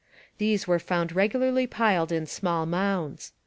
These were found regularly piled in little mounds.